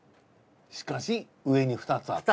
しかし上に２つあった。